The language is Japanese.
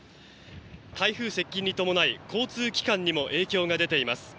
台風接近に伴い交通機関にも影響が出ています。